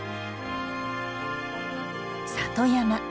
里山。